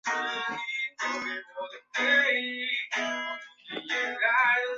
贞丰蹄盖蕨为蹄盖蕨科蹄盖蕨属下的一个种。